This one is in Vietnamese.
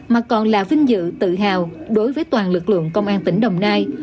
mà còn là vinh dự tự hào đối với toàn lực lượng công an tỉnh đồng nai